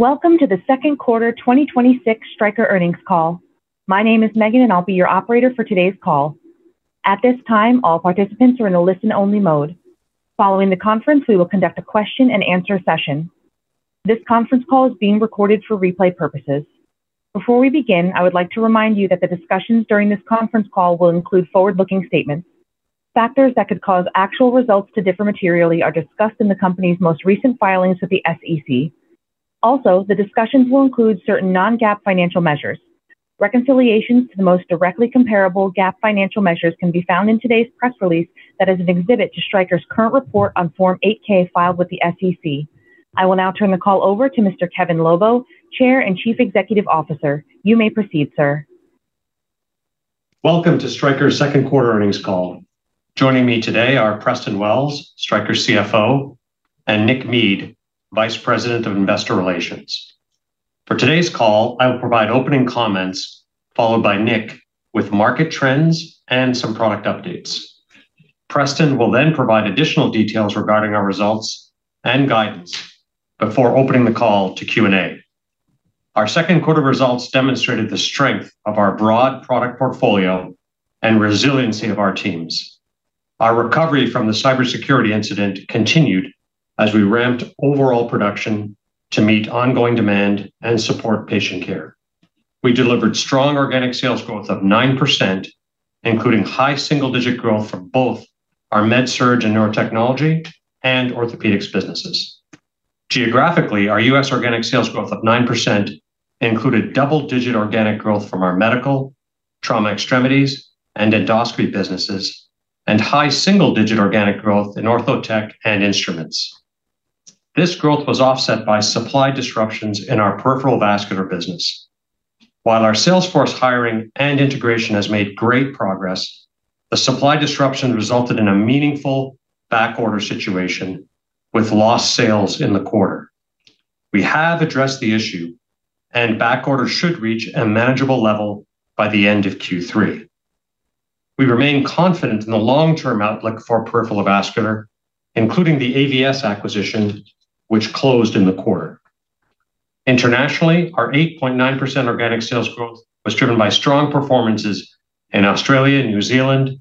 Welcome to the second quarter 2026 Stryker earnings call. My name is Megan, and I'll be your operator for today's call. At this time, all participants are in a listen-only mode. Following the conference, we will conduct a question and answer session. This conference call is being recorded for replay purposes. Before we begin, I would like to remind you that the discussions during this conference call will include forward-looking statements. Factors that could cause actual results to differ materially are discussed in the company's most recent filings with the SEC. Also, the discussions will include certain non-GAAP financial measures. Reconciliations to the most directly comparable GAAP financial measures can be found in today's press release that is an exhibit to Stryker's current report on Form 8-K filed with the SEC. I will now turn the call over to Mr. Kevin Lobo, Chair and Chief Executive Officer. You may proceed, sir. Welcome to Stryker's second quarter earnings call. Joining me today are Preston Wells, Stryker CFO, and Nick Mead, Vice President of Investor Relations. For today's call, I will provide opening comments, followed by Nick with market trends and some product updates. Preston will then provide additional details regarding our results and guidance before opening the call to Q&A. Our second quarter results demonstrated the strength of our broad product portfolio and resiliency of our teams. Our recovery from the cybersecurity incident continued as we ramped overall production to meet ongoing demand and support patient care. We delivered strong organic sales growth of 9%, including high single-digit growth from both our MedSurg and Neurotechnology and Orthopaedics businesses. Geographically, our U.S. organic sales growth of 9% included double-digit organic growth from our medical, trauma extremities, and endoscopy businesses, and high single-digit organic growth in Ortho Tech and instruments. This growth was offset by supply disruptions in our Peripheral Vascular business. While our sales force hiring and integration has made great progress, the supply disruption resulted in a meaningful backorder situation with lost sales in the quarter. We have addressed the issue, and back orders should reach a manageable level by the end of Q3. We remain confident in the long-term outlook for Peripheral Vascular, including the AVS acquisition, which closed in the quarter. Internationally, our 8.9% organic sales growth was driven by strong performances in Australia, New Zealand,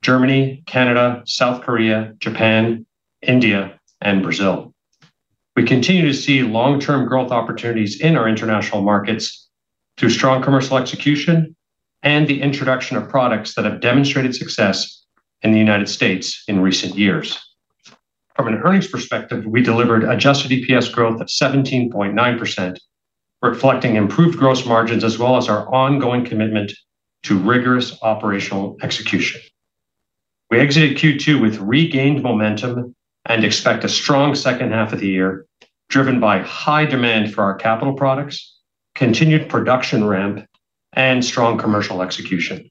Germany, Canada, South Korea, Japan, India, and Brazil. We continue to see long-term growth opportunities in our international markets through strong commercial execution and the introduction of products that have demonstrated success in the United States in recent years. From an earnings perspective, we delivered adjusted EPS growth of 17.9%, reflecting improved gross margins, as well as our ongoing commitment to rigorous operational execution. We exited Q2 with regained momentum and expect a strong second half of the year, driven by high demand for our capital products, continued production ramp, and strong commercial execution.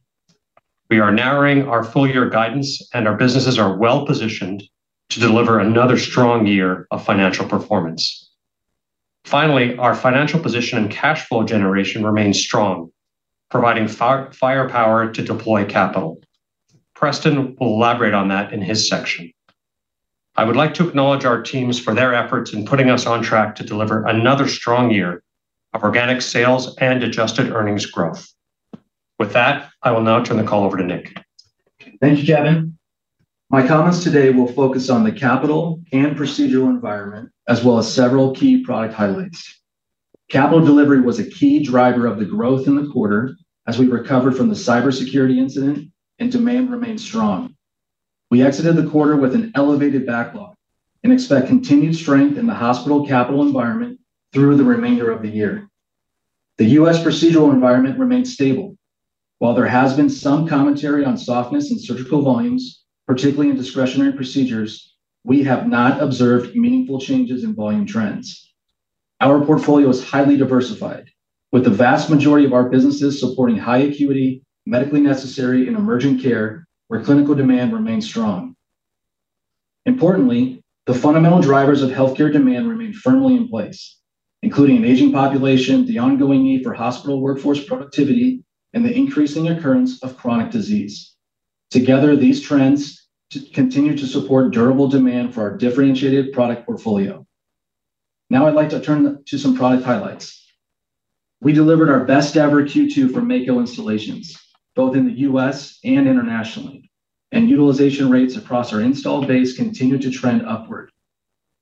We are narrowing our full year guidance, and our businesses are well-positioned to deliver another strong year of financial performance. Finally, our financial position and cash flow generation remain strong, providing firepower to deploy capital. Preston will elaborate on that in his section. I would like to acknowledge our teams for their efforts in putting us on track to deliver another strong year of organic sales and adjusted earnings growth. With that, I will now turn the call over to Nick. Thank you, Kevin. My comments today will focus on the capital and procedural environment, as well as several key product highlights. Capital delivery was a key driver of the growth in the quarter as we recovered from the cybersecurity incident and demand remained strong. We exited the quarter with an elevated backlog and expect continued strength in the hospital capital environment through the remainder of the year. The U.S. procedural environment remained stable. While there has been some commentary on softness in surgical volumes, particularly in discretionary procedures, we have not observed meaningful changes in volume trends. Our portfolio is highly diversified, with the vast majority of our businesses supporting high acuity, medically necessary and emergent care where clinical demand remains strong. Importantly, the fundamental drivers of healthcare demand remain firmly in place, including an aging population, the ongoing need for hospital workforce productivity, and the increasing occurrence of chronic disease. Together, these trends continue to support durable demand for our differentiated product portfolio. Now I'd like to turn to some product highlights. We delivered our best ever Q2 for Mako installations, both in the U.S. and internationally, and utilization rates across our installed base continued to trend upward.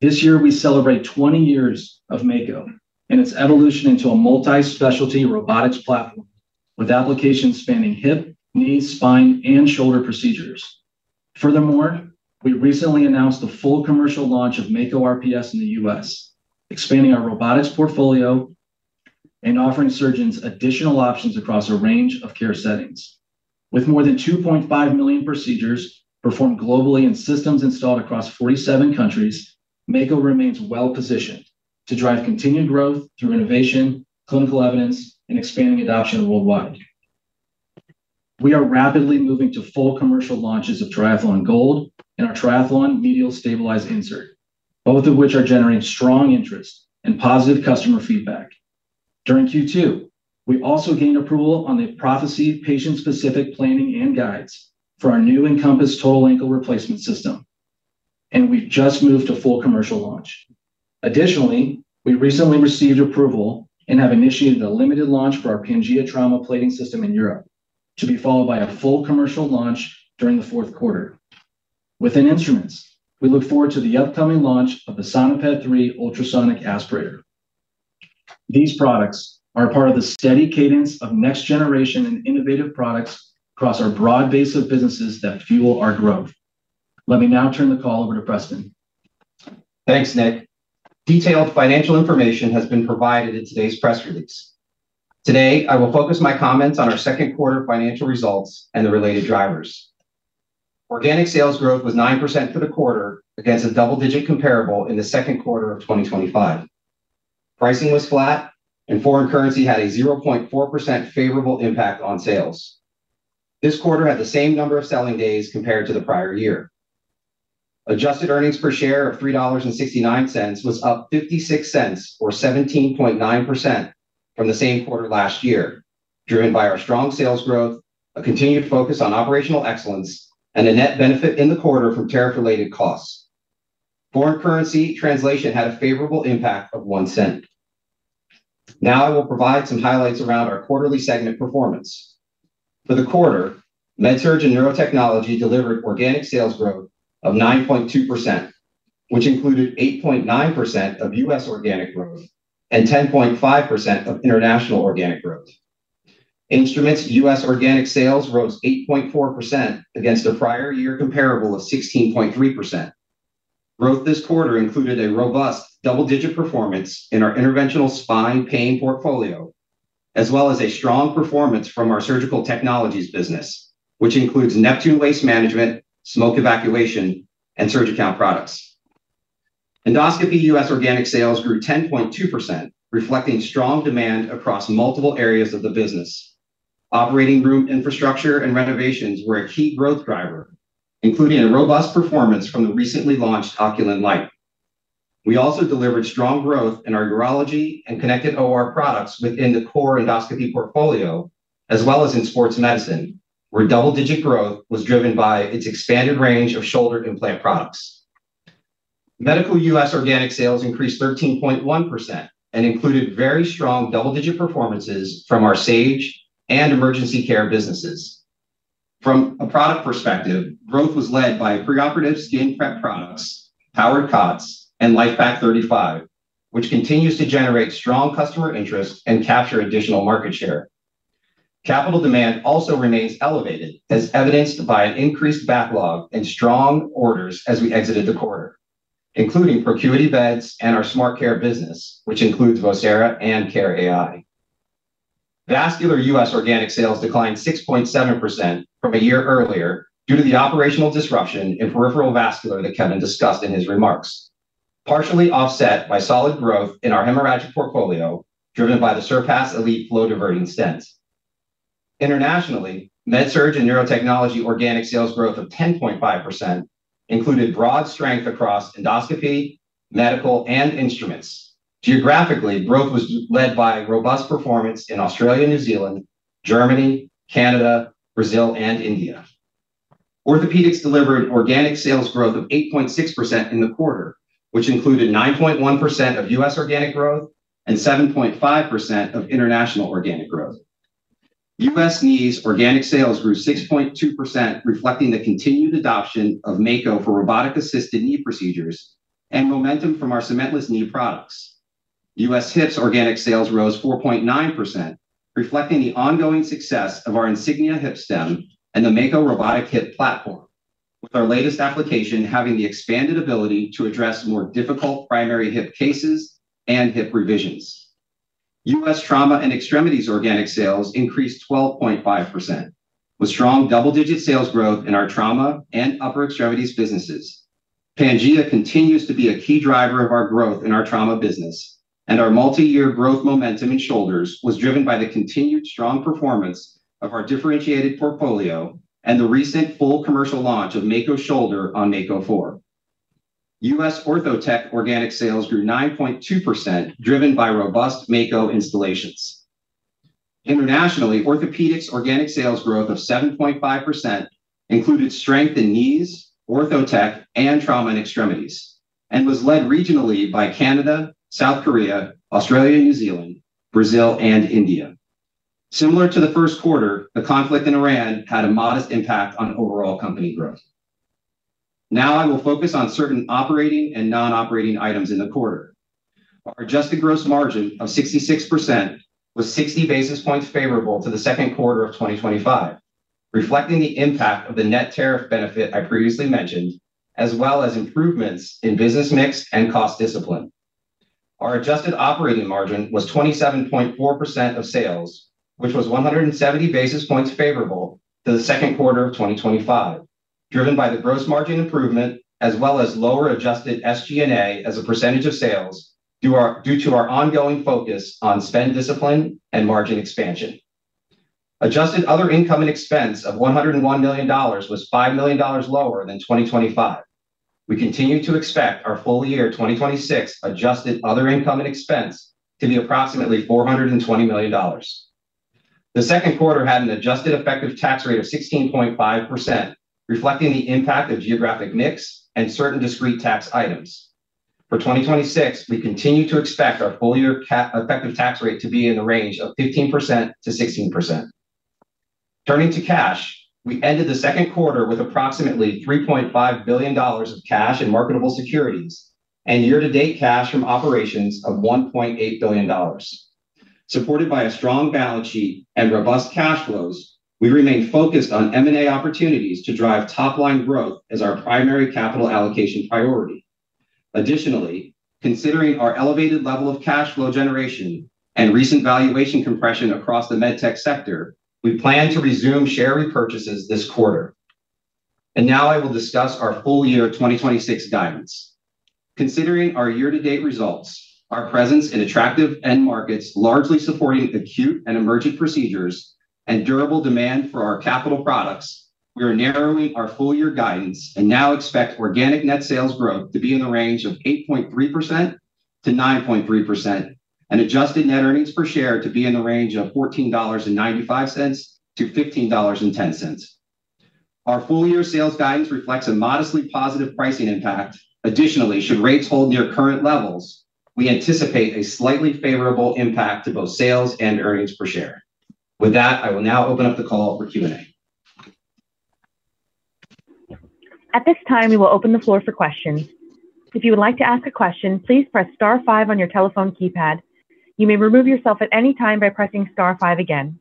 This year we celebrate 20 years of Mako and its evolution into a multi-specialty robotics platform with applications spanning hip, knee, spine, and shoulder procedures. Furthermore, we recently announced the full commercial launch of Mako RPS in the U.S., expanding our robotics portfolio and offering surgeons additional options across a range of care settings. With more than 2.5 million procedures performed globally and systems installed across 47 countries, Mako remains well-positioned to drive continued growth through innovation, clinical evidence, and expanding adoption worldwide. We are rapidly moving to full commercial launches of Triathlon Gold and our Triathlon Medial Stabilized Insert, both of which are generating strong interest and positive customer feedback. During Q2, we also gained approval on the Prophecy patient-specific planning and guides for our new Incompass total ankle replacement system. We've just moved to full commercial launch. Additionally, we recently received approval and have initiated a limited launch for our Pangea trauma plating system in Europe, to be followed by a full commercial launch during the fourth quarter. Within Instruments, we look forward to the upcoming launch of the Sonopet iQ ultrasonic aspirator. These products are part of the steady cadence of next generation and innovative products across our broad base of businesses that fuel our growth. Let me now turn the call over to Preston. Thanks, Nick. Detailed financial information has been provided in today's press release. Today, I will focus my comments on our second quarter financial results and the related drivers. Organic sales growth was 9% for the quarter against a double-digit comparable in the second quarter of 2025. Pricing was flat, and foreign currency had a 0.4% favorable impact on sales. This quarter had the same number of selling days compared to the prior year. Adjusted earnings per share of $3.69 was up $0.56, or 17.9% from the same quarter last year, driven by our strong sales growth, a continued focus on operational excellence, and a net benefit in the quarter from tariff related costs. Foreign currency translation had a favorable impact of $0.01. I will provide some highlights around our quarterly segment performance. For the quarter, MedSurg and Neurotechnology delivered organic sales growth of 9.2%, which included 8.9% of U.S. organic growth and 10.5% of international organic growth. Instruments U.S. organic sales rose 8.4% against a prior year comparable of 16.3%. Growth this quarter included a robust double-digit performance in our interventional spine pain portfolio, as well as a strong performance from our surgical technologies business, which includes Neptune Waste Management, Smoke Evacuation, and SurgiCount products. Endoscopy U.S. organic sales grew 10.2%, reflecting strong demand across multiple areas of the business. Operating room infrastructure and renovations were a key growth driver, including a robust performance from the recently launched Oculan Lighting. We also delivered strong growth in our urology and connected OR products within the core endoscopy portfolio, as well as in sports medicine, where double-digit growth was driven by its expanded range of shoulder implant products. Medical U.S. organic sales increased 13.1% and included very strong double-digit performances from our Sage and emergency care businesses. From a product perspective, growth was led by preoperative skin prep products, powered cots, and LIFEPAK 35, which continues to generate strong customer interest and capture additional market share. Capital demand also remains elevated, as evidenced by an increased backlog and strong orders as we exited the quarter, including ProCuity beds and our Smart Care business, which includes Vocera and care.ai. Vascular U.S. organic sales declined 6.7% from a year earlier due to the operational disruption in Peripheral Vascular that Kevin discussed in his remarks, partially offset by solid growth in our hemorrhagic portfolio, driven by the Surpass Evolve flow diverting stents. Internationally, MedSurg and Neurotechnology organic sales growth of 10.5% included broad strength across endoscopy, medical, and instruments. Geographically, growth was led by robust performance in Australia and New Zealand, Germany, Canada, Brazil, and India. Orthopaedics delivered organic sales growth of 8.6% in the quarter, which included 9.1% of U.S. organic growth and 7.5% of international organic growth. U.S. knees organic sales grew 6.2%, reflecting the continued adoption of Mako for robotic assisted knee procedures and momentum from our cementless knee products. U.S. hips organic sales rose 4.9%, reflecting the ongoing success of our Insignia hip stem and the Mako robotic hip platform, with our latest application having the expanded ability to address more difficult primary hip cases and hip revisions. U.S. trauma and extremities organic sales increased 12.5%, with strong double-digit sales growth in our trauma and upper extremities businesses. Pangea continues to be a key driver of our growth in our trauma business, and our multi-year growth momentum in shoulders was driven by the continued strong performance of our differentiated portfolio and the recent full commercial launch of Mako Shoulder on Mako 4. U.S. Ortho Tech organic sales grew 9.2%, driven by robust Mako installations. Internationally, Orthopaedics organic sales growth of 7.5% included strength in knees, Ortho Tech, and trauma and extremities, and was led regionally by Canada, South Korea, Australia and New Zealand, Brazil, and India. Similar to the first quarter, the conflict in Iran had a modest impact on overall company growth. Now I will focus on certain operating and non-operating items in the quarter. Our adjusted gross margin of 66% was 60 basis points favorable to the second quarter of 2025, reflecting the impact of the net tariff benefit I previously mentioned, as well as improvements in business mix and cost discipline. Our adjusted operating margin was 27.4% of sales, which was 170 basis points favorable to the second quarter of 2025, driven by the gross margin improvement as well as lower adjusted SG&A as a percentage of sales due to our ongoing focus on spend discipline and margin expansion. Adjusted other income and expense of $101 million was $5 million lower than 2025. We continue to expect our full year 2026 adjusted other income and expense to be approximately $420 million. The second quarter had an adjusted effective tax rate of 16.5%, reflecting the impact of geographic mix and certain discrete tax items. For 2026, we continue to expect our full-year effective tax rate to be in the range of 15%-16%. Turning to cash, we ended the second quarter with approximately $3.5 billion of cash and marketable securities, and year-to-date cash from operations of $1.8 billion. Supported by a strong balance sheet and robust cash flows, we remain focused on M&A opportunities to drive top-line growth as our primary capital allocation priority. Additionally, considering our elevated level of cash flow generation and recent valuation compression across the medtech sector, we plan to resume share repurchases this quarter. Now I will discuss our full-year 2026 guidance. Considering our year-to-date results, our presence in attractive end markets, largely supporting acute and emergent procedures, and durable demand for our capital products, we are narrowing our full-year guidance and now expect organic net sales growth to be in the range of 8.3%-9.3%, and adjusted net earnings per share to be in the range of $14.95-$15.10. Our full-year sales guidance reflects a modestly positive pricing impact. Additionally, should rates hold near current levels, we anticipate a slightly favorable impact to both sales and earnings per share. With that, I will now open up the call for Q&A. At this time, we will open the floor for questions. If you would like to ask a question, please press star, five on your telephone keypad. You may remove yourself at any time by pressing star, five again.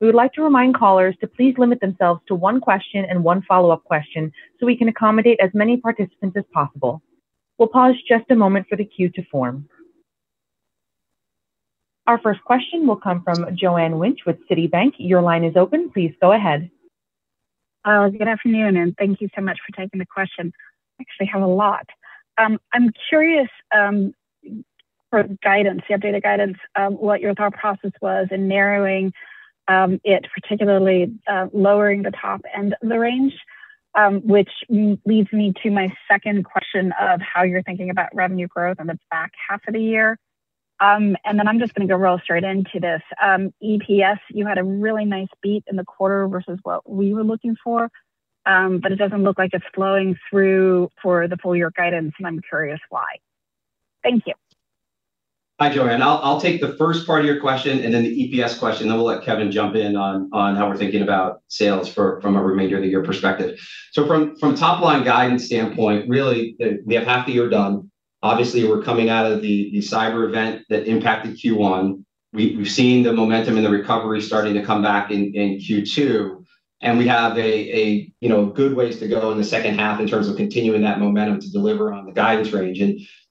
We would like to remind callers to please limit themselves to one question and one follow-up question so we can accommodate as many participants as possible. We'll pause just a moment for the queue to form. Our first question will come from Joanne Wuensch with Citi. Your line is open. Please go ahead. Good afternoon, thank you so much for taking the question. I actually have a lot. I'm curious for guidance, the updated guidance, what your thought process was in narrowing it, particularly lowering the top end of the range, which leads me to my second question of how you're thinking about revenue growth in the back half of the year. Then I'm just going to go real straight into this. EPS, you had a really nice beat in the quarter versus what we were looking for, but it doesn't look like it's flowing through for the full-year guidance, and I'm curious why. Thank you. Hi, Joanne. I'll take the first part of your question and then the EPS question, then we'll let Kevin jump in on how we're thinking about sales from a remainder of the year perspective. From top-line guidance standpoint, really, we have half the year done. Obviously, we're coming out of the cyber event that impacted Q1. We've seen the momentum and the recovery starting to come back in Q2, and we have good ways to go in the second half in terms of continuing that momentum to deliver on the guidance range.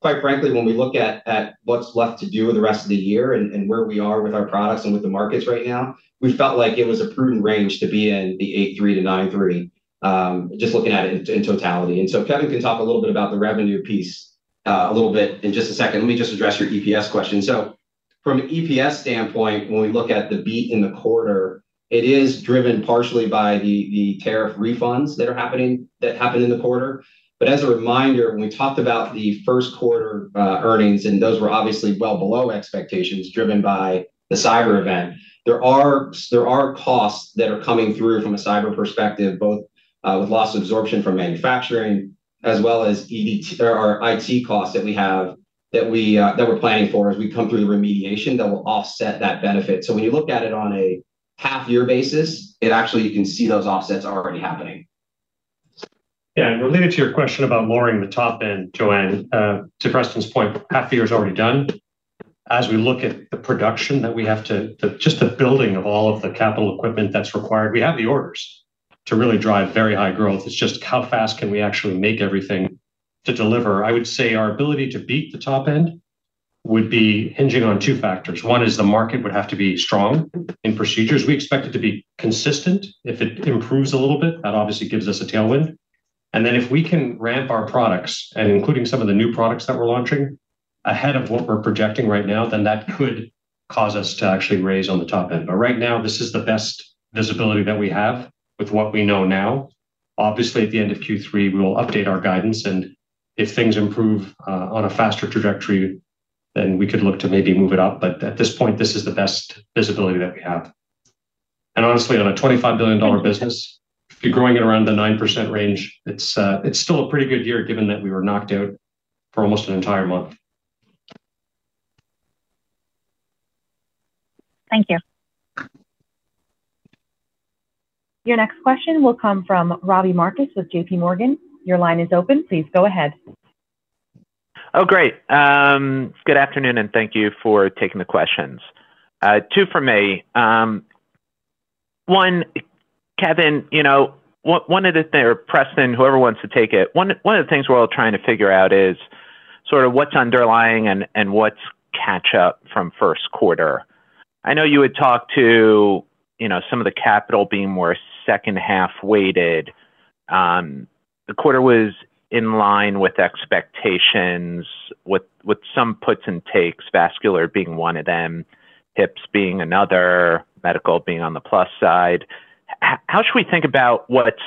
Quite frankly, when we look at what's left to do with the rest of the year and where we are with our products and with the markets right now, we felt like it was a prudent range to be in, the 8.3%-9.3%, just looking at it in totality. Kevin can talk a little bit about the revenue piece a little bit in just a second. Let me just address your EPS question. From an EPS standpoint, when we look at the beat in the quarter, it is driven partially by the tariff refunds that happened in the quarter. As a reminder, when we talked about the first quarter earnings, and those were obviously well below expectations driven by the cyber event. There are costs that are coming through from a cyber perspective, both with loss absorption from manufacturing as well as our IT costs that we're planning for as we come through the remediation that will offset that benefit. When you look at it on a half-year basis, actually you can see those offsets already happening. Related to your question about lowering the top end, Joanne, to Preston's point, half the year is already done. As we look at the production that we have to, just the building of all of the capital equipment that's required. We have the orders to really drive very high growth. It's just how fast can we actually make everything to deliver. I would say our ability to beat the top end would be hinging on two factors. One is the market would have to be strong in procedures. We expect it to be consistent. If it improves a little bit, that obviously gives us a tailwind. If we can ramp our products, and including some of the new products that we're launching, ahead of what we're projecting right now, then that could cause us to actually raise on the top end. Right now, this is the best visibility that we have with what we know now. Obviously, at the end of Q3, we will update our guidance, and if things improve on a faster trajectory, then we could look to maybe move it up. At this point, this is the best visibility that we have. Honestly, on a $25 billion business, if you're growing at around the 9% range, it's still a pretty good year given that we were knocked out for almost an entire month. Thank you. Your next question will come from Robbie Marcus with JPMorgan. Your line is open. Please go ahead. Oh, great. Good afternoon, thank you for taking the questions. Two from me. One, Kevin, or Preston, whoever wants to take it. One of the things we're all trying to figure out is sort of what's underlying and what's catch up from first quarter. I know you had talked to some of the capital being more second half weighted. The quarter was in line with expectations, with some puts and takes, vascular being one of them, hips being another, medical being on the plus side. How should we think about what's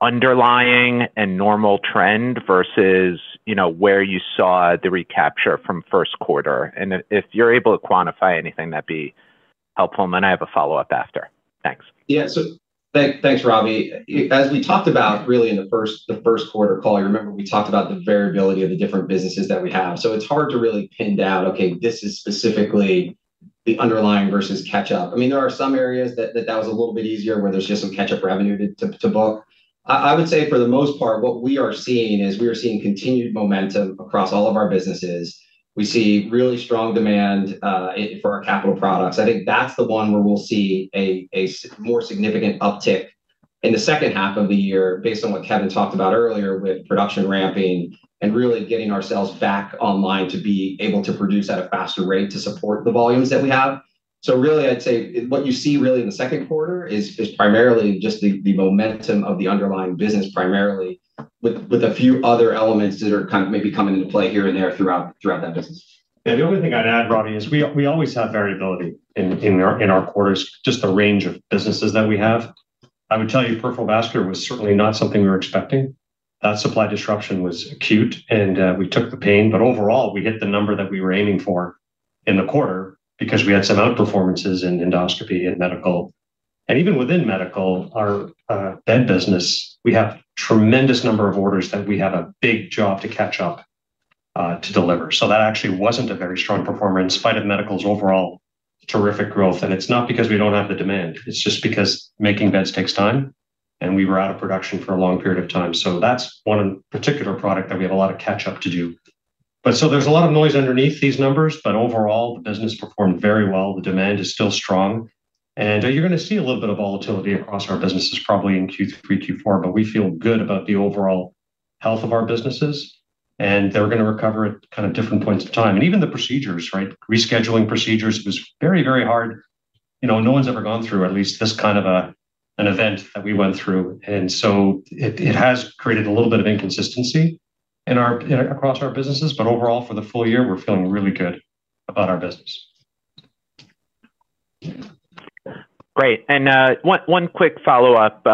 underlying and normal trend versus where you saw the recapture from first quarter. If you're able to quantify anything, that'd be helpful. Then I have a follow-up after. Thanks. Yeah. Thanks, Robbie. As we talked about really in the first quarter call, you remember, we talked about the variability of the different businesses that we have. It's hard to really pin down, okay, this is specifically the underlying versus catch-up. There are some areas that was a little bit easier where there's just some catch-up revenue to book. I would say for the most part, what we are seeing is we are seeing continued momentum across all of our businesses. We see really strong demand for our capital products. I think that's the one where we'll see a more significant uptick in the second half of the year based on what Kevin talked about earlier with production ramping and really getting ourselves back online to be able to produce at a faster rate to support the volumes that we have. Really, I'd say what you see really in the second quarter is primarily just the momentum of the underlying business primarily with a few other elements that are kind of maybe coming into play here and there throughout that business. Yeah. The only thing I'd add, Robbie, is we always have variability in our quarters, just the range of businesses that we have. I would tell you Peripheral Vascular was certainly not something we were expecting. That supply disruption was acute, and we took the pain, but overall, we hit the number that we were aiming for in the quarter because we had some out-performances in endoscopy and medical. Even within medical, our bed business, we have tremendous number of orders that we have a big job to catch up to deliver. That actually wasn't a very strong performer in spite of medical's overall terrific growth. It's not because we don't have the demand, it's just because making beds takes time, and we were out of production for a long period of time. That's one particular product that we have a lot of catch up to do. There's a lot of noise underneath these numbers, but overall, the business performed very well. The demand is still strong, and you're going to see a little bit of volatility across our businesses probably in Q3, Q4. We feel good about the overall health of our businesses, and they're going to recover at kind of different points of time. Even the procedures, right? Rescheduling procedures was very hard. No one's ever gone through at least this kind of an event that we went through. It has created a little bit of inconsistency across our businesses, but overall, for the full year, we're feeling really good about our business. Great. One quick follow-up.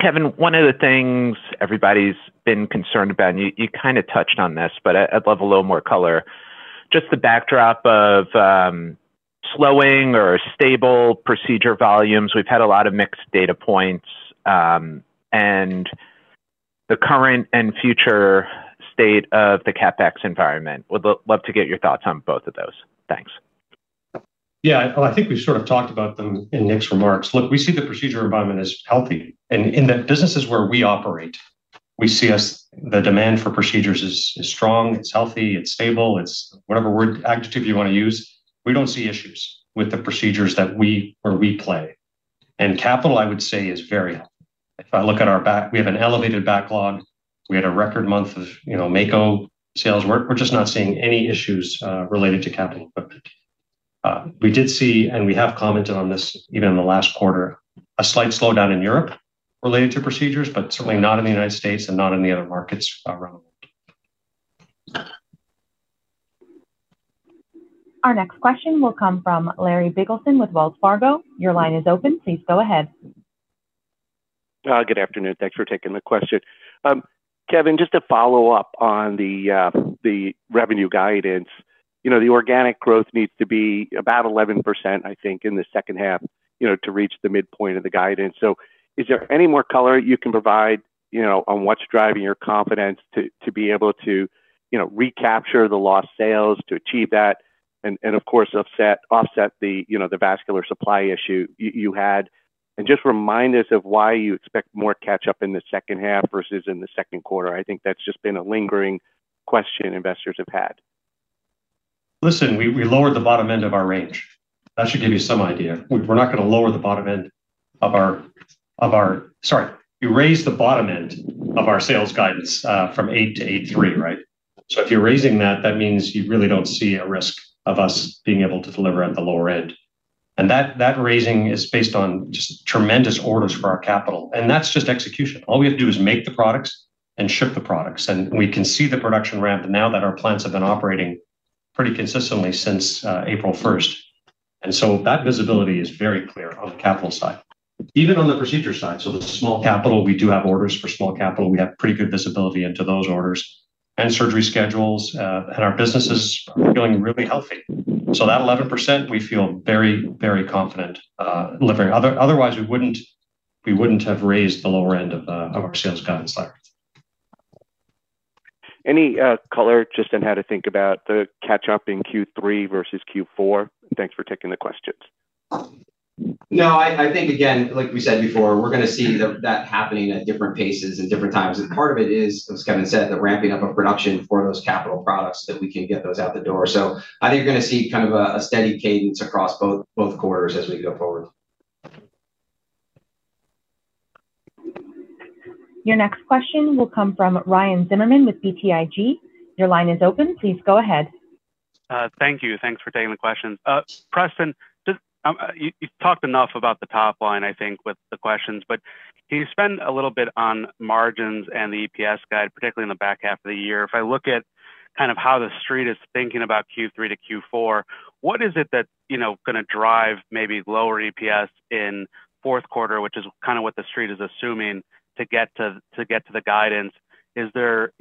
Kevin, one of the things everybody's been concerned about, and you kind of touched on this, but I'd love a little more color, just the backdrop of slowing or stable procedure volumes. We've had a lot of mixed data points, and the current and future state of the CapEx environment. Would love to get your thoughts on both of those. Thanks. Yeah. Well, I think we've sort of talked about them in Nick's remarks. Look, we see the procedure environment as healthy. In the businesses where we operate, we see the demand for procedures is strong, it's healthy, it's stable, it's whatever word, adjective you want to use. We don't see issues with the procedures where we play. Capital, I would say, is very healthy. If I look at our back, we have an elevated backlog. We had a record month of Mako sales. We're just not seeing any issues related to capital equipment. We did see, and we have commented on this even in the last quarter, a slight slowdown in Europe related to procedures, but certainly not in the United States and not in the other markets around the world. Our next question will come from Larry Biegelsen with Wells Fargo. Your line is open. Please go ahead. Good afternoon. Thanks for taking the question. Kevin, just to follow up on the revenue guidance. The organic growth needs to be about 11%, I think, in the second half to reach the midpoint of the guidance. Is there any more color you can provide on what's driving your confidence to be able to recapture the lost sales to achieve that and of course, offset the vascular supply issue you had? Just remind us of why you expect more catch-up in the second half versus in the second quarter. I think that's just been a lingering question investors have had. Listen, we lowered the bottom end of our range. That should give you some idea. We're not going to lower the bottom end of our Sorry. We raised the bottom end of our sales guidance from 8%-8.3%, right? If you're raising that means you really don't see a risk of us being able to deliver at the lower end. That raising is based on just tremendous orders for our capital, and that's just execution. All we have to do is make the products and ship the products, and we can see the production ramp now that our plants have been operating pretty consistently since April 1st. That visibility is very clear on the capital side. Even on the procedure side, the small capital, we do have orders for small capital. We have pretty good visibility into those orders and surgery schedules. Our businesses are feeling really healthy. That 11%, we feel very confident, delivering. Otherwise, we wouldn't have raised the lower end of our sales guidance, Larry. Any color just on how to think about the catch-up in Q3 versus Q4? Thanks for taking the questions. No, I think again, like we said before, we're going to see that happening at different paces and different times. Part of it is, as Kevin said, the ramping up of production for those capital products, that we can get those out the door. I think you're going to see kind of a steady cadence across both quarters as we go forward. Your next question will come from Ryan Zimmerman with BTIG. Your line is open. Please go ahead. Thank you. Thanks for taking the questions. Preston, you've talked enough about the top line, I think, with the questions, but can you spend a little bit on margins and the EPS guide, particularly in the back half of the year? If I look at kind of how the Street is thinking about Q3 to Q4, what is it that's going to drive maybe lower EPS in fourth quarter, which is kind of what the Street is assuming to get to the guidance? Is there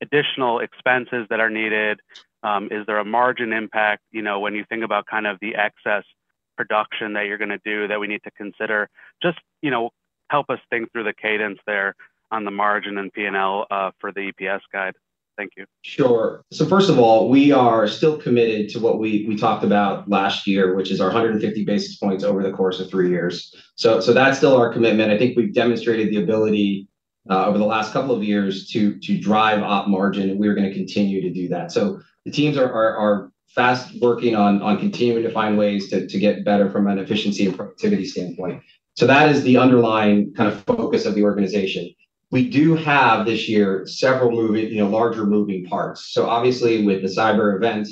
additional expenses that are needed? Is there a margin impact when you think about the excess production that you're going to do that we need to consider? Just help us think through the cadence there on the margin and P&L for the EPS guide. Thank you. First of all, we are still committed to what we talked about last year, which is our 150 basis points over the course of three years. That's still our commitment. I think we've demonstrated the ability over the last couple of years to drive operating margin. We're going to continue to do that. The teams are fast working on continuing to find ways to get better from an efficiency and productivity standpoint. That is the underlying kind of focus of the organization. We do have, this year, several larger moving parts. Obviously, with the cyber event,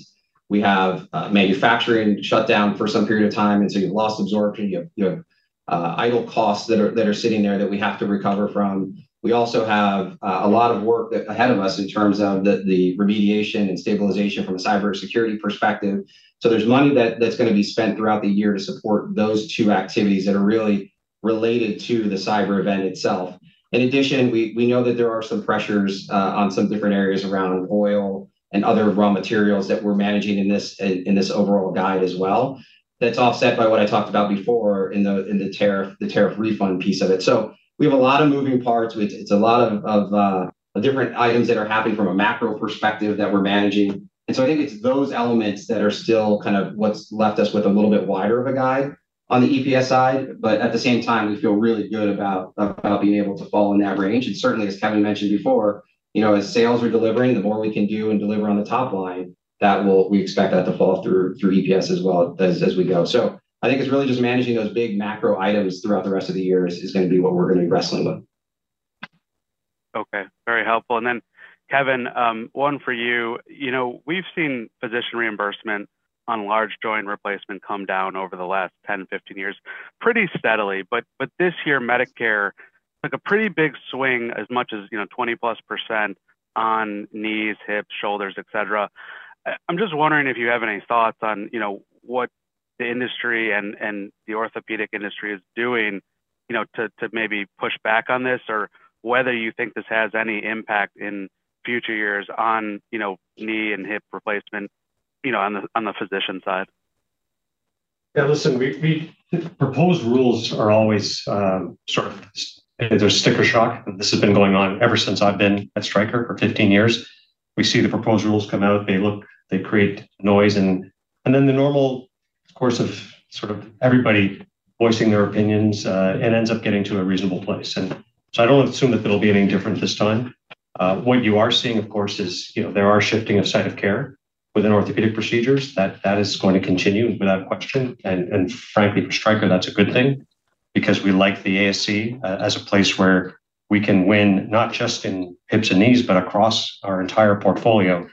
we have manufacturing shut down for some period of time, and so you have loss absorption, you have idle costs that are sitting there that we have to recover from. We also have a lot of work ahead of us in terms of the remediation and stabilization from a cybersecurity perspective. There's money that's going to be spent throughout the year to support those two activities that are really related to the cyber event itself. In addition, we know that there are some pressures on some different areas around oil and other raw materials that we're managing in this overall guide as well. That's offset by what I talked about before in the tariff refund piece of it. We have a lot of moving parts. It's a lot of different items that are happening from a macro perspective that we're managing. I think it's those elements that are still kind of what's left us with a little bit wider of a guide on the EPS side. At the same time, we feel really good about being able to fall in that range. Certainly, as Kevin mentioned before, as sales are delivering, the more we can do and deliver on the top line, we expect that to fall through EPS as well as we go. I think it's really just managing those big macro items throughout the rest of the year is going to be what we're going to be wrestling with. Okay. Very helpful. Kevin, one for you. We've seen physician reimbursement on large joint replacement come down over the last 10, 15 years pretty steadily. This year, Medicare took a pretty big swing as much as 20%+ on knees, hips, shoulders, et cetera. I'm just wondering if you have any thoughts on what the industry and the orthopaedic industry is doing to maybe push back on this, or whether you think this has any impact in future years on knee and hip replacement on the physician side. Yeah, listen, proposed rules are always sort of, there's sticker shock. This has been going on ever since I've been at Stryker for 15 years. We see the proposed rules come out, they create noise, the normal course of everybody voicing their opinions. It ends up getting to a reasonable place. I don't assume that it'll be any different this time. What you are seeing, of course, is there are shifting of site of care within orthopedic procedures. That is going to continue, without question. Frankly, for Stryker, that's a good thing, because we like the ASC as a place where we can win, not just in hips and knees, but across our entire portfolio.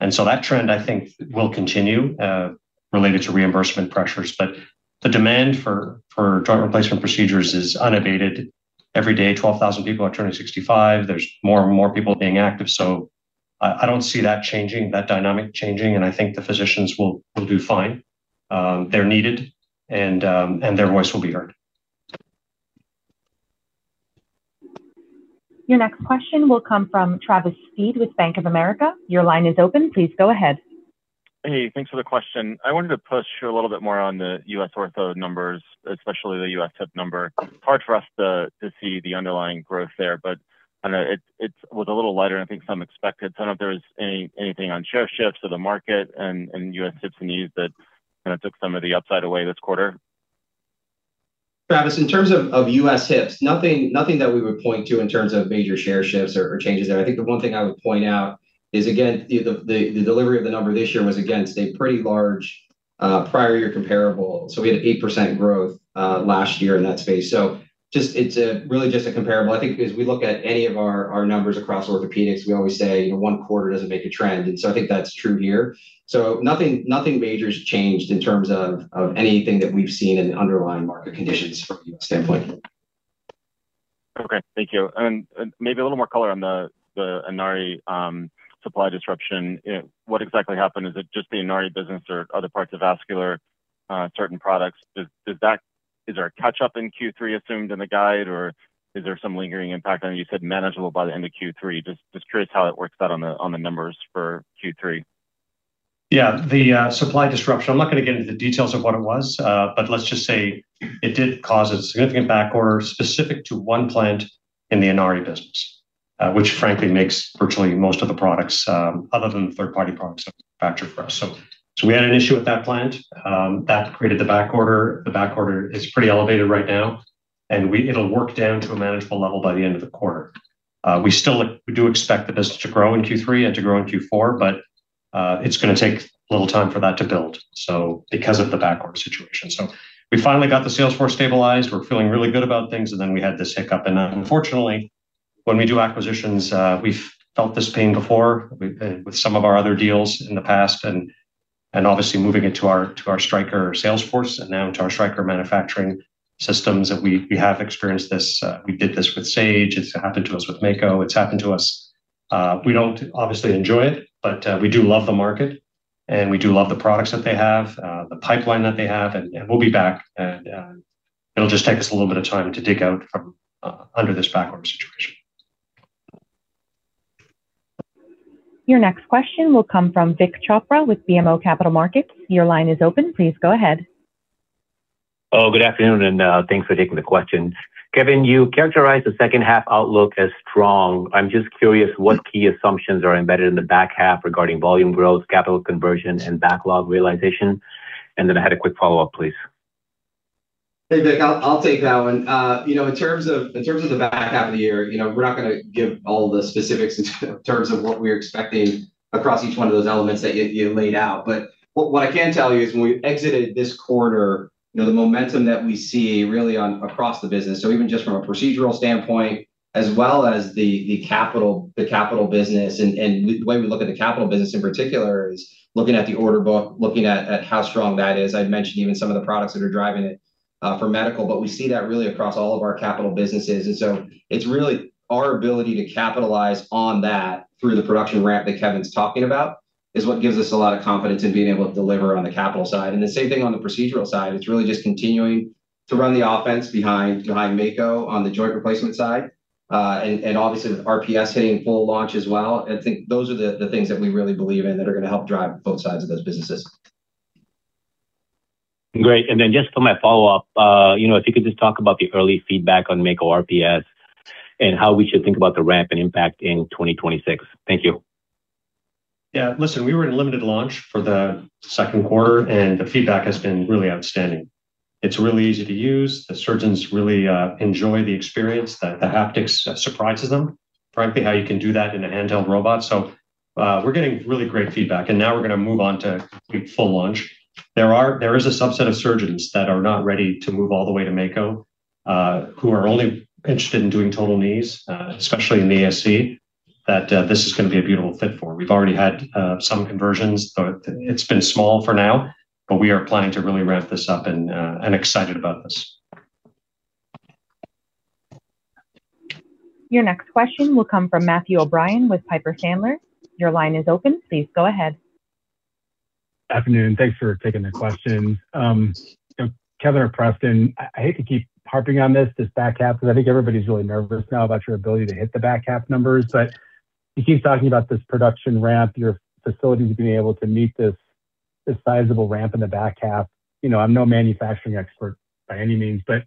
That trend, I think, will continue, related to reimbursement pressures. The demand for joint replacement procedures is unabated. Every day, 12,000 people are turning 65. There's more and more people being active. I don't see that changing, that dynamic changing, I think the physicians will do fine. They're needed, their voice will be heard. Your next question will come from Travis Steed with Bank of America. Your line is open. Please go ahead. Hey, thanks for the question. I wanted to push a little bit more on the U.S. ortho numbers, especially the U.S. hip number. Hard for us to see the underlying growth there, but I know it was a little lighter, I think, some expected. I don't know if there was anything on share shifts or the market and U.S. hips and knees that kind of took some of the upside away this quarter. Travis, in terms of U.S. hips, nothing that we would point to in terms of major share shifts or changes there. I think the one thing I would point out is, again, the delivery of the number this year was against a pretty large prior year comparable. We had 8% growth last year in that space. It's really just a comparable. I think as we look at any of our numbers across Orthopaedics, we always say one quarter doesn't make a trend, I think that's true here. Nothing major's changed in terms of anything that we've seen in the underlying market conditions from a U.S. standpoint. Okay. Thank you. Maybe a little more color on the Inari supply disruption. What exactly happened? Is it just the Inari business or other parts of vascular, certain products? Is there a catch-up in Q3 assumed in the guide, or is there some lingering impact? I know you said manageable by the end of Q3. Just curious how it works out on the numbers for Q3. Yeah. The supply disruption, I'm not going to get into the details of what it was. Let's just say it did cause a significant backorder specific to one plant in the Inari business. Which frankly makes virtually most of the products, other than third-party products that are manufactured for us. We had an issue with that plant, that created the backorder. The backorder is pretty elevated right now, and it'll work down to a manageable level by the end of the quarter. We do expect the business to grow in Q3 and to grow in Q4, but it's going to take a little time for that to build because of the backorder situation. We finally got the sales force stabilized. We're feeling really good about things, and then we had this hiccup. Unfortunately, when we do acquisitions, we've felt this pain before with some of our other deals in the past and obviously moving it to our Stryker sales force and now to our Stryker manufacturing systems, that we have experienced this. We did this with Sage. It's happened to us with Mako. It's happened to us. We don't obviously enjoy it, but we do love the market, and we do love the products that they have, the pipeline that they have. We'll be back. It'll just take us a little bit of time to dig out from under this backlog situation. Your next question will come from Vik Chopra with BMO Capital Markets. Your line is open. Please go ahead. Good afternoon, and thanks for taking the questions. Kevin, you characterized the second half outlook as strong. I'm just curious what key assumptions are embedded in the back half regarding volume growth, capital conversion, and backlog realization? I had a quick follow-up, please. Vik, I'll take that one. In terms of the back half of the year, we're not going to give all the specifics in terms of what we're expecting across each one of those elements that you laid out. What I can tell you is when we exited this quarter, the momentum that we see really across the business, so even just from a procedural standpoint as well as the capital business. The way we look at the capital business in particular is looking at the order book, looking at how strong that is. I'd mentioned even some of the products that are driving it for medical. We see that really across all of our capital businesses. It's really our ability to capitalize on that through the production ramp that Kevin's talking about is what gives us a lot of confidence in being able to deliver on the capital side. The same thing on the procedural side, it's really just continuing to run the offense behind Mako on the joint replacement side, obviously with RPS hitting full launch as well. I think those are the things that we really believe in that are going to help drive both sides of those businesses. Great. Then just for my follow-up, if you could just talk about the early feedback on Mako RPS and how we should think about the ramp and impact in 2026. Thank you. Yeah. Listen, we were in limited launch for the second quarter, the feedback has been really outstanding. It's really easy to use. The surgeons really enjoy the experience. The haptics surprises them, frankly, how you can do that in a handheld robot. We're getting really great feedback, now we're going to move on to full launch. There is a subset of surgeons that are not ready to move all the way to Mako, who are only pinched in doing total knees, especially in the ASC, that this is going to be a beautiful fit for. We've already had some conversions, so it's been small for now, but we are planning to really ramp this up and excited about this. Your next question will come from Matthew O'Brien with Piper Sandler. Your line is open. Please go ahead. Afternoon. Thanks for taking the questions. Kevin or Preston, I hate to keep harping on this back half, because I think everybody's really nervous now about your ability to hit the back half numbers. You keep talking about this production ramp, your facilities being able to meet this sizable ramp in the back half. I'm no manufacturing expert by any means, but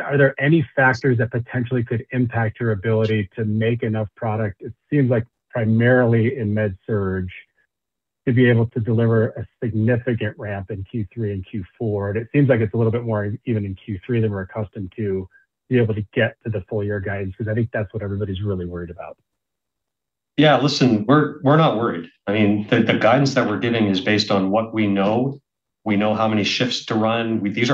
are there any factors that potentially could impact your ability to make enough product, it seems like primarily in MedSurg, to be able to deliver a significant ramp in Q3 and Q4? It seems like it's a little bit more even in Q3 than we're accustomed to be able to get to the full year guidance, because I think that's what everybody's really worried about. Yeah. Listen, we're not worried. The guidance that we're giving is based on what we know. We know how many shifts to run. They're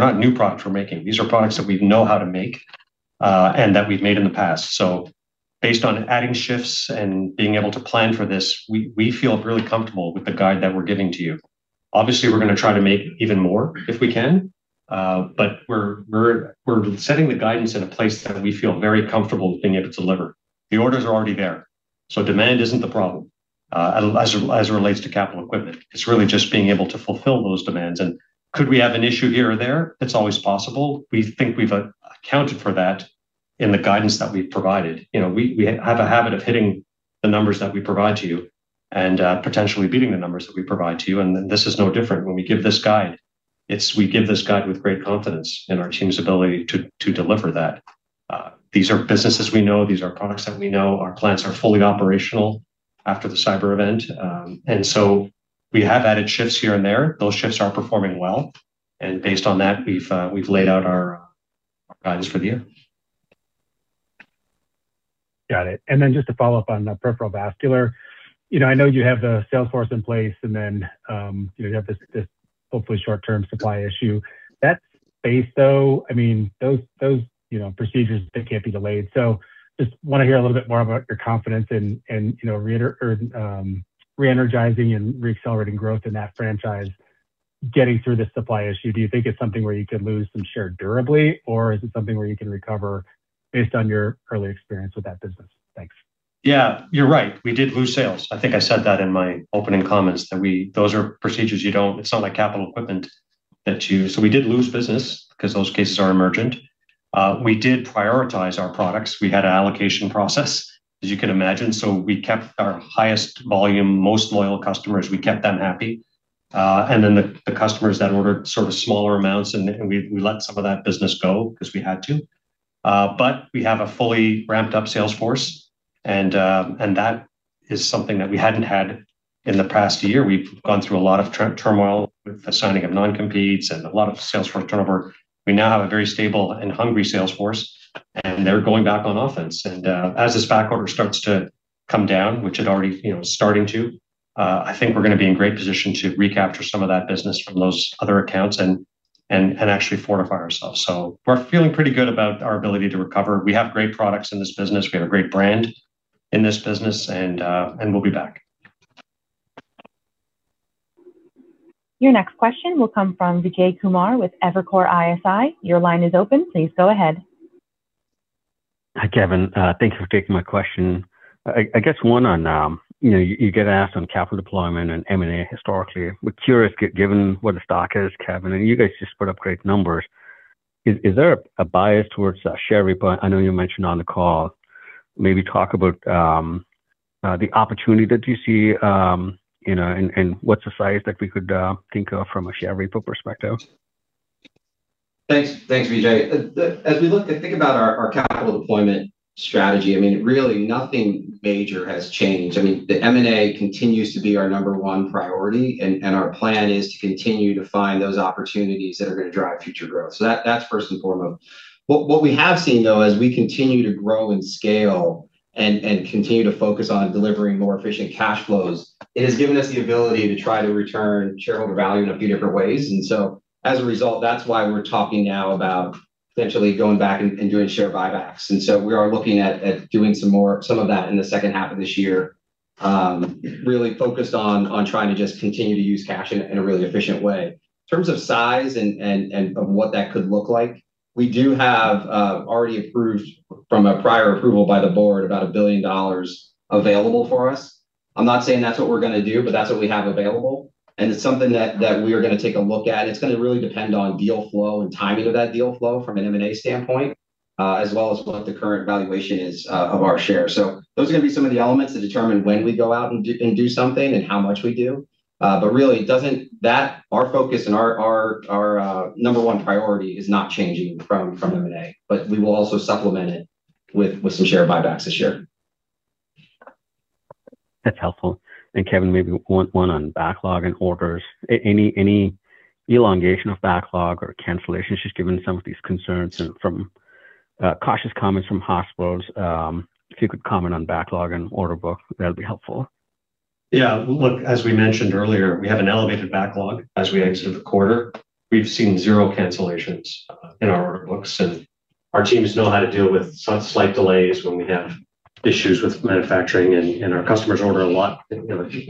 not new products we're making. These are products that we know how to make, and that we've made in the past. Based on adding shifts and being able to plan for this, we feel really comfortable with the guide that we're giving to you. Obviously, we're going to try to make even more if we can. We're setting the guidance in a place that we feel very comfortable being able to deliver. The orders are already there, so demand isn't the problem, as it relates to capital equipment. It's really just being able to fulfill those demands. Could we have an issue here or there? It's always possible. We think we've accounted for that in the guidance that we've provided. We have a habit of hitting the numbers that we provide to you and potentially beating the numbers that we provide to you. This is no different when we give this guide. We give this guide with great confidence in our team's ability to deliver that. These are businesses we know. These are products that we know. Our plants are fully operational after the cyber event. We have added shifts here and there. Those shifts are performing well. Based on that, we've laid out our guidance for the year. Got it. Just to follow up on Peripheral Vascular. I know you have the sales force in place, you have this hopefully short-term supply issue. That space, though, those procedures, they can't be delayed. Just want to hear a little bit more about your confidence in re-energizing and re-accelerating growth in that franchise, getting through this supply issue. Do you think it's something where you could lose some share durably, or is it something where you can recover based on your early experience with that business? Thanks. You're right. We did lose sales. I think I said that in my opening comments, that those are procedures. It's not like capital equipment. We did lose business because those cases are emergent. We did prioritize our products. We had an allocation process, as you can imagine. We kept our highest volume, most loyal customers, we kept them happy. The customers that ordered sort of smaller amounts, we let some of that business go because we had to. We have a fully ramped-up sales force, and that is something that we hadn't had in the past year. We've gone through a lot of turmoil with the signing of non-competes and a lot of sales force turnover. We now have a very stable and hungry sales force, and they're going back on offense. As this backorder starts to come down, which it already is starting to, I think we're going to be in great position to recapture some of that business from those other accounts and actually fortify ourselves. We're feeling pretty good about our ability to recover. We have great products in this business. We have a great brand in this business, and we'll be back. Your next question will come from Vijay Kumar with Evercore ISI. Your line is open. Please go ahead. Hi, Kevin. Thank you for taking my question. I guess one on capital deployment and M&A historically. We're curious, given where the stock is, Kevin, and you guys just put up great numbers. Is there a bias towards share repo? I know you mentioned on the call. Maybe talk about the opportunity that you see, and what's the size that we could think of from a share repo perspective? Thanks, Vijay. As we look and think about our capital deployment strategy, really nothing major has changed. The M&A continues to be our number one priority, and our plan is to continue to find those opportunities that are going to drive future growth. That's first and foremost. What we have seen, though, as we continue to grow and scale and continue to focus on delivering more efficient cash flows, it has given us the ability to try to return shareholder value in a few different ways. As a result, that's why we're talking now about potentially going back and doing share buybacks. We are looking at doing some of that in the second half of this year. Really focused on trying to just continue to use cash in a really efficient way. In terms of size and of what that could look like, we do have already approved from a prior approval by the board about $1 billion available for us. I'm not saying that's what we're going to do, but that's what we have available, and it's something that we are going to take a look at. It's going to really depend on deal flow and timing of that deal flow from an M&A standpoint, as well as what the current valuation is of our shares. Those are going to be some of the elements that determine when we go out and do something and how much we do. Really our focus and our number one priority is not changing from M&A. We will also supplement it with some share buybacks this year. That's helpful. Kevin, maybe one on backlog and orders. Any elongation of backlog or cancellations just given some of these concerns and from cautious comments from hospitals? If you could comment on backlog and order book, that'll be helpful. Yeah. Look, as we mentioned earlier, we have an elevated backlog as we exit the quarter. We've seen zero cancellations in our order books, and our teams know how to deal with slight delays when we have issues with manufacturing, and our customers order a lot,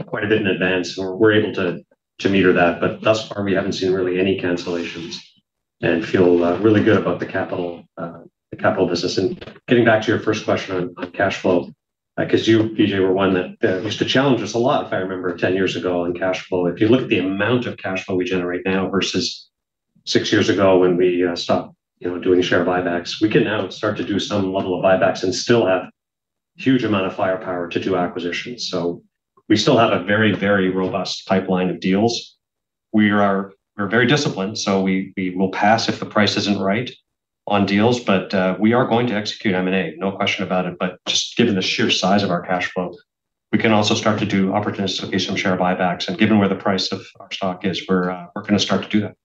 quite a bit in advance, and we're able to meter that. Thus far, we haven't seen really any cancellations and feel really good about the capital business. Getting back to your first question on cash flow, because you, Vijay, were one that used to challenge us a lot, if I remember, 10 years ago on cash flow. If you look at the amount of cash flow we generate now versus six years ago when we stopped doing share buybacks, we can now start to do some level of buybacks and still have huge amount of firepower to do acquisitions. We still have a very, very robust pipeline of deals. We're very disciplined, we will pass if the price isn't right on deals. We are going to execute M&A, no question about it. Just given the sheer size of our cash flow, we can also start to do opportunistic share buybacks. Given where the price of our stock is, we're going to start to do that.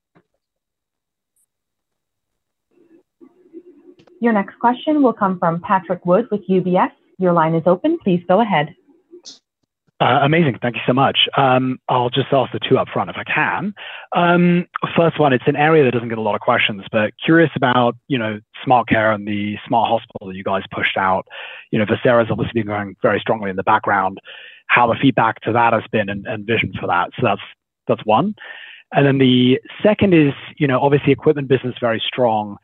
Your next question will come from Patrick Wood with UBS. Your line is open. Please go ahead. Amazing. Thank you so much. I'll just ask the two upfront if I can. First one, it's an area that doesn't get a lot of questions, but curious about Smart Care and the smart hospital that you guys pushed out. Vocera's obviously been going very strongly in the background, how the feedback to that has been and vision for that. That's one. The second is, obviously equipment business very strong.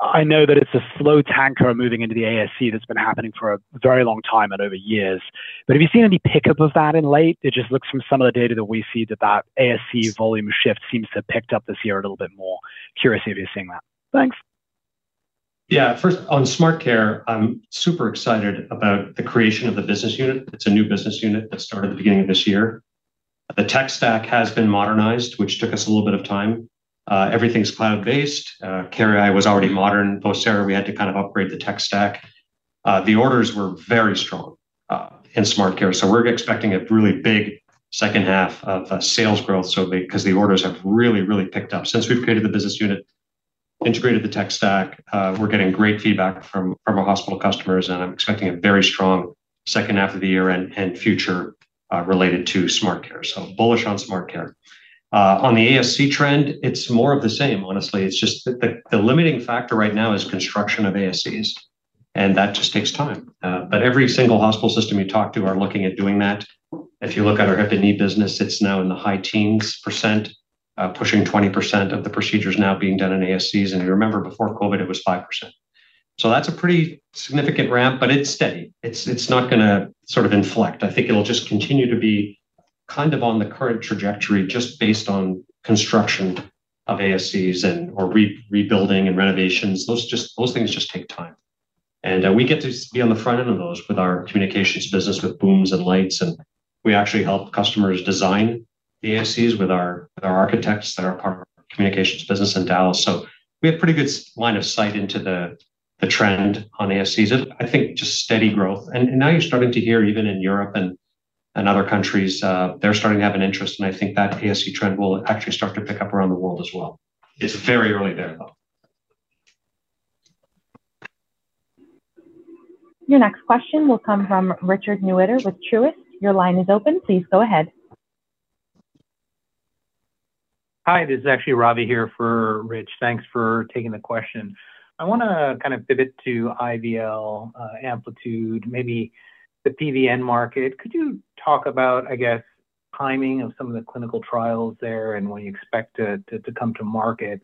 I know that it's a slow tanker moving into the ASC that's been happening for a very long time and over years. Have you seen any pickup of that in late? It just looks from some of the data that we see that that ASC volume shift seems to have picked up this year a little bit more. Curious if you're seeing that. Thanks. Yeah. First on Smart Care, I'm super excited about the creation of the business unit. It's a new business unit that started at the beginning of this year. The tech stack has been modernized, which took us a little bit of time. Everything's cloud-based. care.ai was already modern. Vocera, we had to kind of upgrade the tech stack. The orders were very strong in Smart Care, we're expecting a really big second half of sales growth because the orders have really, really picked up since we've created the business unit, integrated the tech stack. We're getting great feedback from our hospital customers, I'm expecting a very strong second half of the year and future, related to Smart Care. Bullish on Smart Care. On the ASC trend, it's more of the same, honestly. It's just the limiting factor right now is construction of ASCs, and that just takes time. Every single hospital system you talk to are looking at doing that. If you look at our hip and knee business, it's now in the high teens percent, pushing 20% of the procedures now being done in ASCs. You remember before COVID it was 5%. That's a pretty significant ramp, but it's steady. It's not going to sort of inflect. I think it'll just continue to be kind of on the current trajectory, just based on construction of ASCs and/or rebuilding and renovations. Those things just take time. We get to be on the front end of those with our communications business with booms and lights, and we actually help customers design the ASCs with our architects that are part of our communications business in Dallas. We have pretty good line of sight into the trend on ASCs. I think just steady growth. Now you're starting to hear even in Europe and other countries, they're starting to have an interest, and I think that ASC trend will actually start to pick up around the world as well. It's very early there, though. Your next question will come from Richard Newitter with Truist. Your line is open. Please go ahead. Hi, this is actually Ravi here for Rich. Thanks for taking the question. I want to kind of pivot to IVL, Amplitude, maybe the PV market. Could you talk about, I guess timing of some of the clinical trials there and when you expect it to come to market,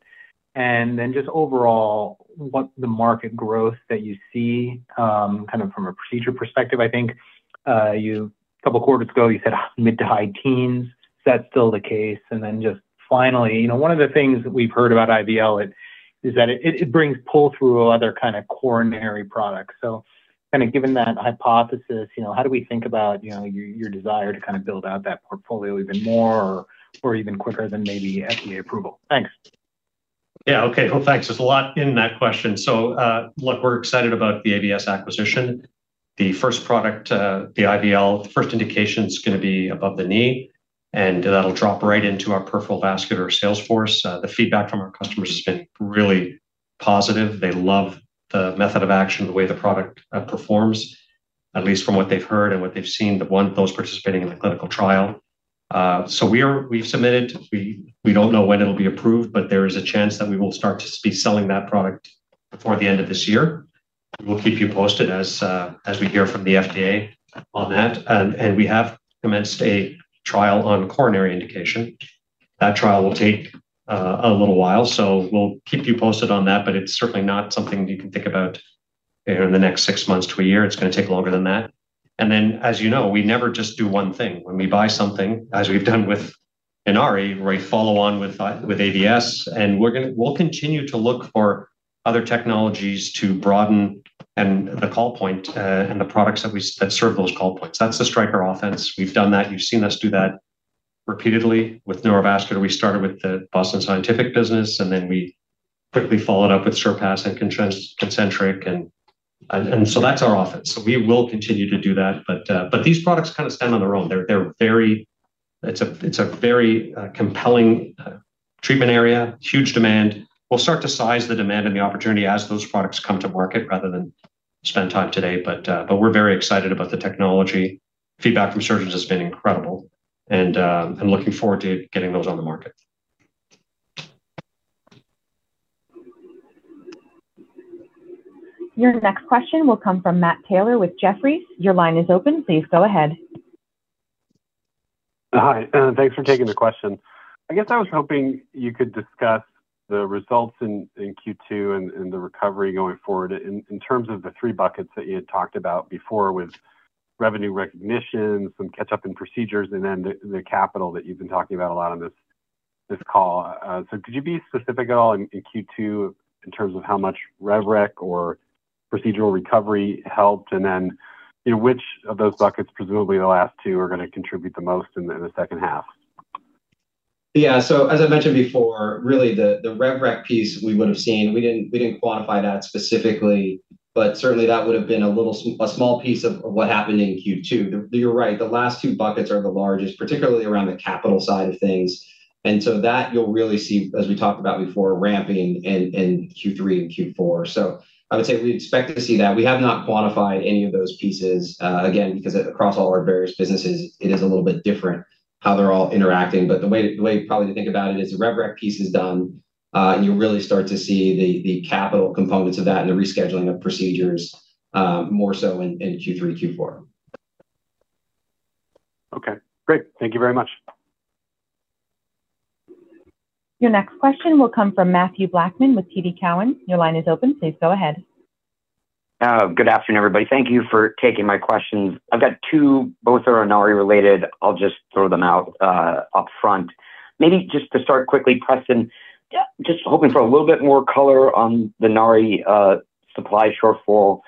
and then just overall, what the market growth that you see from a procedure perspective. I think a couple of quarters ago you said mid to high teens. Is that still the case? Then just finally, one of the things that we've heard about IVL is that it brings pull-through other kind of coronary products. Given that hypothesis, how do we think about your desire to build out that portfolio even more or even quicker than maybe FDA approval? Thanks. Yeah. Okay, cool. Thanks. There is a lot in that question. Look, we are excited about the AVS acquisition. The first product, the IVL, the first indication is going to be above the knee, and that will drop right into our peripheral vascular sales force. The feedback from our customers has been really positive. They love the method of action, the way the product performs, at least from what they have heard and what they have seen, the one, those participating in the clinical trial. We have submitted. We do not know when it will be approved, there is a chance that we will start to be selling that product before the end of this year. We will keep you posted as we hear from the FDA on that. We have commenced a trial on coronary indication. That trial will take a little while, we will keep you posted on that, it is certainly not something you can think about in the next six months to one year. It is going to take longer than that. Then, as you know, we never just do one thing. When we buy something, as we have done with Inari, we follow on with AVS, and we will continue to look for other technologies to broaden and the call point, and the products that serve those call points. That is the Stryker offense. We have done that. You have seen us do that repeatedly with Neurovascular. We started with the Boston Scientific business, we quickly followed up with Surpass and Concentric, that is our offense. We will continue to do that. These products kind of stand on their own. It is a very compelling treatment area, huge demand. We will start to size the demand and the opportunity as those products come to market rather than spend time today. We are very excited about the technology. Feedback from surgeons has been incredible, looking forward to getting those on the market. Your next question will come from Matt Taylor with Jefferies. Your line is open. Please go ahead. Hi, thanks for taking the question. I guess I was hoping you could discuss the results in Q2 and the recovery going forward in terms of the three buckets that you had talked about before with revenue recognition, some catch-up in procedures, and then the capital that you've been talking about a lot on this call. Could you be specific at all in Q2 in terms of how much rev rec or procedural recovery helped, and then which of those buckets, presumably the last two, are going to contribute the most in the second half? Yeah. As I mentioned before, really the rev rec piece we would have seen. We didn't quantify that specifically, but certainly that would have been a small piece of what happened in Q2. You're right, the last two buckets are the largest, particularly around the capital side of things. That you'll really see, as we talked about before, ramping in Q3 and Q4. I would say we expect to see that. We have not quantified any of those pieces, again, because across all our various businesses, it is a little bit different how they're all interacting. The way probably to think about it is the rev rec piece is done. You really start to see the capital components of that and the rescheduling of procedures more so in Q3 and Q4. Okay, great. Thank you very much. Your next question will come from Mathew Blackman with TD Cowen. Your line is open. Please go ahead. Good afternoon, everybody. Thank you for taking my questions. I've got two. Both are Inari related. I'll just throw them out up front. Maybe just to start quickly, Preston, just hoping for a little bit more color on the Inari supply shortfall.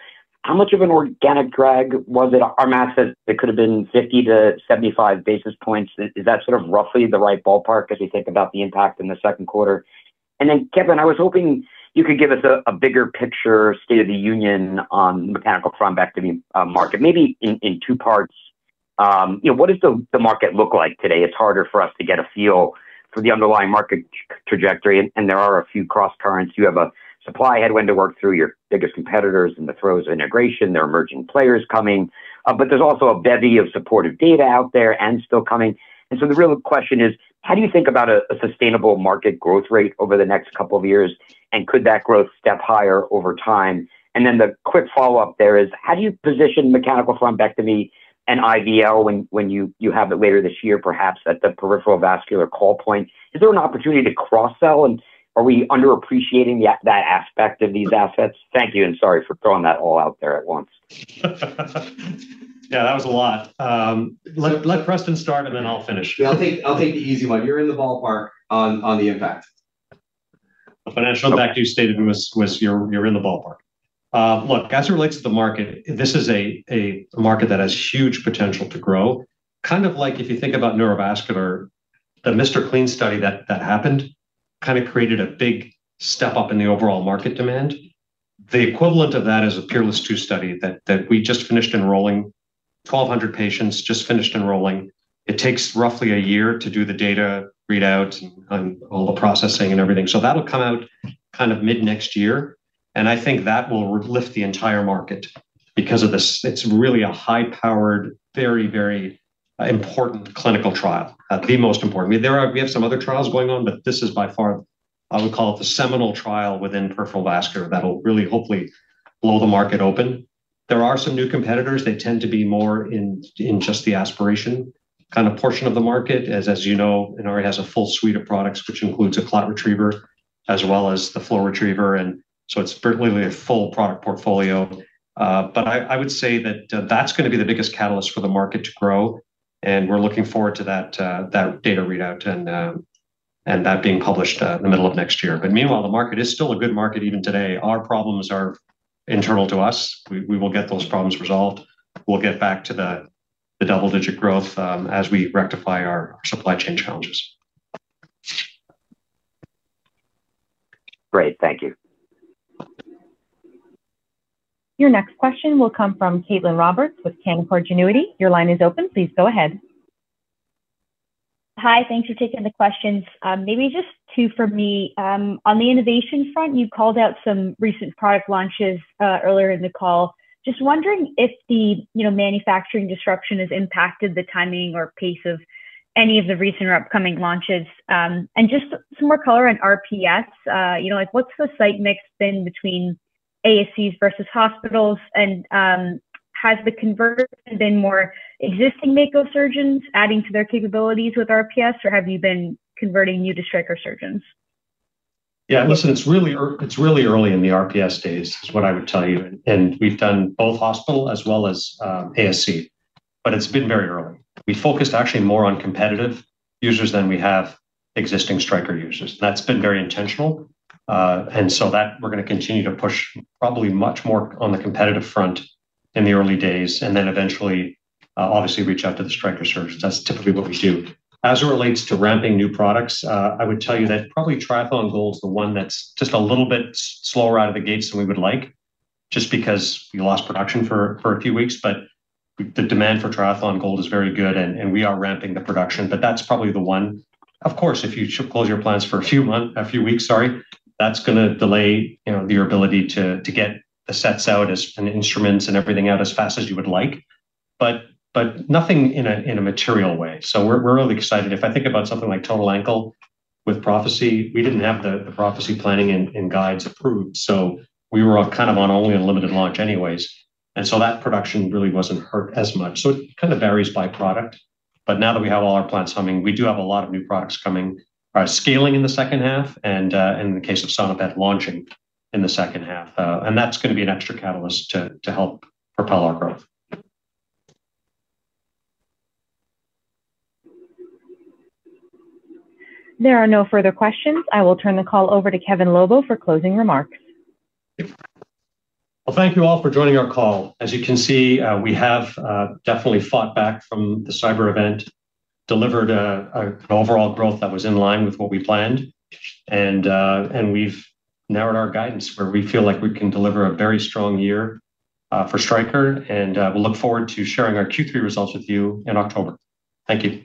How much of an organic drag was it? Our math said it could have been 50 basis points to 75 basis points. Is that sort of roughly the right ballpark as we think about the impact in the second quarter? Kevin, I was hoping you could give us a bigger picture, state of the union on mechanical thrombectomy market, maybe in two parts. What does the market look like today? It's harder for us to get a feel for the underlying market trajectory, and there are a few cross-currents. You have a supply headwind to work through, your biggest competitor's in the throes of integration. There are emerging players coming. There's also a bevy of supportive data out there and still coming. The real question is: how do you think about a sustainable market growth rate over the next couple of years, and could that growth step higher over time? The quick follow-up there is: how do you position mechanical thrombectomy and IVL when you have it later this year, perhaps at the Peripheral Vascular call point? Is there an opportunity to cross-sell, and are we underappreciating that aspect of these assets? Thank you, and sorry for throwing that all out there at once. Yeah, that was a lot. Let Preston start, I'll finish. I'll take the easy one. You're in the ballpark on the impact. The financial impact you stated was you're in the ballpark. As it relates to the market, this is a market that has huge potential to grow. Kind of like if you think about Neurovascular, the MR CLEAN study that happened kind of created a big step up in the overall market demand. The equivalent of that is a PEERLESS II study that we just finished enrolling 1,200 patients, just finished enrolling. It takes roughly a year to do the data readout and all the processing and everything. That'll come out kind of mid-next year, and I think that will lift the entire market because it's really a high-powered, very important clinical trial. The most important. We have some other trials going on, this is by far, I would call it the seminal trial within Peripheral Vascular that'll really hopefully blow the market open. There are some new competitors. They tend to be more in just the aspiration kind of portion of the market. As you know, Inari has a full suite of products, which includes a ClotTriever as well as the FlowTriever. It's really a full product portfolio. I would say that that's going to be the biggest catalyst for the market to grow, and we're looking forward to that data readout and that being published in the middle of next year. Meanwhile, the market is still a good market even today. Our problems are internal to us. We will get those problems resolved. We'll get back to the double-digit growth as we rectify our supply chain challenges. Great. Thank you. Your next question will come from Caitlin Roberts with Canaccord Genuity. Your line is open. Please go ahead. Hi. Thanks for taking the questions. Maybe just two for me. On the innovation front, you called out some recent product launches earlier in the call. Just wondering if the manufacturing disruption has impacted the timing or pace of any of the recent or upcoming launches. Just some more color on RPS. What's the site mix been between ASCs versus hospitals? Has the conversion been more existing Mako surgeons adding to their capabilities with RPS, or have you been converting new non-Stryker surgeons? Yeah. Listen, it's really early in the RPS days, is what I would tell you. We've done both hospital as well as ASC, but it's been very early. We focused actually more on competitive users than we have existing Stryker users. That's been very intentional. We're going to continue to push probably much more on the competitive front in the early days and then eventually, obviously reach out to the Stryker surgeons. That's typically what we do. As it relates to ramping new products, I would tell you that probably Triathlon Gold is the one that's just a little bit slower out of the gates than we would like, just because we lost production for a few weeks. The demand for Triathlon Gold is very good, and we are ramping the production. That's probably the one. Of course, if you close your plants for a few weeks, that's going to delay your ability to get the sets out and instruments and everything out as fast as you would like. Nothing in a material way. We're really excited. If I think about something like Total Ankle with Prophecy, we didn't have the Prophecy planning and guides approved, so we were kind of on only a limited launch anyways. Production really wasn't hurt as much. It kind of varies by product. Now that we have all our plants humming, we do have a lot of new products coming, scaling in the second half, and in the case of some of that launching in the second half. That's going to be an extra catalyst to help propel our growth. There are no further questions. I will turn the call over to Kevin Lobo for closing remarks. Well, thank you all for joining our call. As you can see, we have definitely fought back from the cyber event, delivered an overall growth that was in line with what we planned. We've narrowed our guidance where we feel like we can deliver a very strong year for Stryker, and we look forward to sharing our Q3 results with you in October. Thank you.